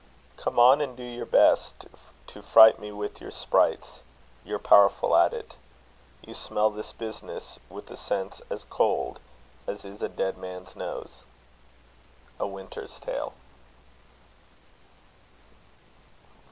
Come on and do your best To fright me with your sprites: you're powerful at it. You smell this business with a sense as cold As is a dead man's nose. A Winter's Tale.